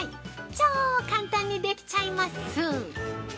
超簡単にできちゃいます！